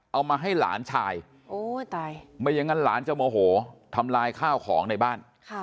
เอามาให้หลานชายไม่อย่างนั้นหลานจะโมโหทำลายข้าวของในบ้าน